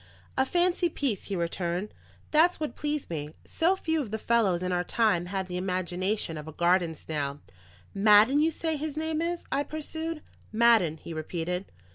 "A fancy piece," he returned. "That's what pleased me. So few of the fellows in our time had the imagination of a garden snail." "Madden, you say his name is?" I pursued. "Madden," he repeated.